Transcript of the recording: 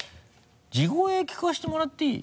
地声聞かせてもらっていい？